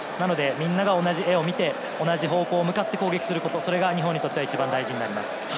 みんなが同じ絵を見て、同じ方向に向かって攻撃すること、それが日本にとって一番大事になると思います。